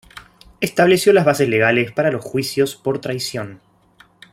Estableció las bases legales para los juicios por traición.